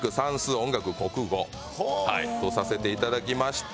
音楽国語とさせて頂きました。